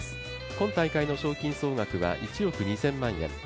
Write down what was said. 今大会の賞金総額は１億２０００万円。